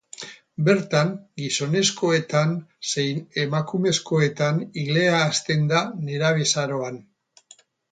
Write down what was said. Bertan, gizonezkoetan zein emakumezkoetan ilea hazten da nerabezaroan.